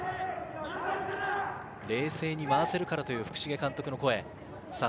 冷静に回せるからという福重監督の声。